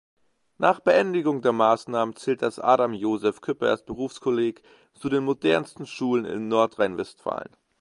Nach Beendigung der Maßnahmen zählt das Adam-Josef-Cüppers-Berufskolleg zu den modernsten Schulen in Nordrhein-Westfalen.